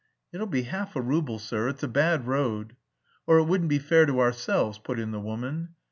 "It'll be half a rouble, sir; it's a bad road." "Or it wouldn't be fair to ourselves," put in the woman.